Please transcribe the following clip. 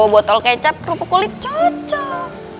botol kecap kerupuk kulit cocok